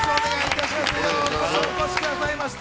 ようこそお越しくださいました。